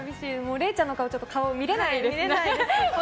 れいちゃんの顔見れないです。